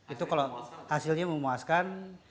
itu kalau hasilnya memuaskan